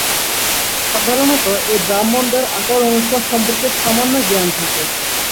সাধারণত, এই ব্রাহ্মণদের আচার-অনুষ্ঠান সম্পর্কে সামান্য জ্ঞান থাকে।